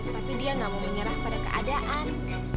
tapi dia gak mau menyerah pada keadaan